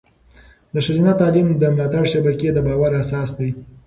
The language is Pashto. د ښځینه تعلیم د ملاتړ شبکې د باور اساس دی.